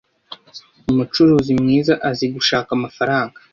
Umucuruzi mwiza azi gushaka amafaranga.